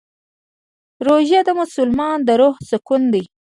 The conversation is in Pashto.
روژه د مسلمان د روح سکون دی.